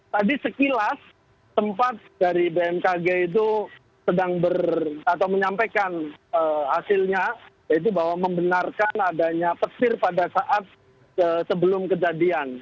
tadi sekilas tempat dari bmkg itu sedang atau menyampaikan hasilnya yaitu bahwa membenarkan adanya petir pada saat sebelum kejadian